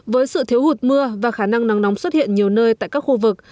với sự thiếu hụt mưa và khả năng nắng nóng xuất hiện nhiều nơi tại các khu vực